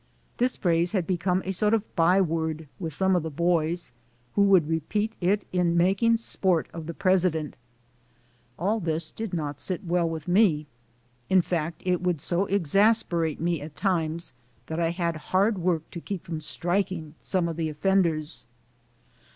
This phrase had become a sort of byword with some of the boys, who would repeat it in making sport of the president. All this did not set well with me. In fact, it would so exasperate me at times that I had hard work to keep from striking some of the offenders.